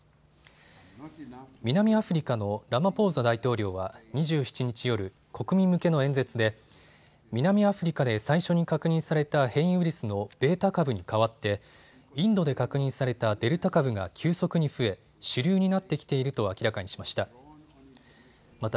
南アフリカのラマポーザ大統領は２７日夜、国民向けの演説で南アフリカで最初に確認された変異ウイルスのデータ株に代わってインドで確認されたデルタ株が急速に増え主流になってきていると明らかにしました。